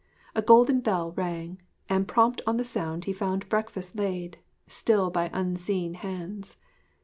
A golden bell rang; and prompt on the sound he found breakfast laid, still by unseen hands.